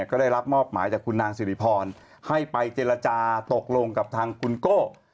ก็ได้รับมอบหมายจากคุณนางสิริพรให้ไปเจรจาตกลงกับทางคุณโก้